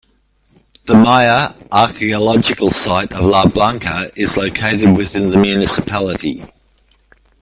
The Maya archaeological site of La Blanca is located within the municipality.